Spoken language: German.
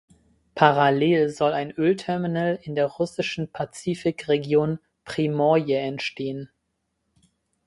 Parallel soll ein Ölterminal in der russischen Pazifik-Region Primorje entstehen.